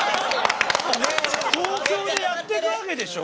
東京でやってくわけでしょ？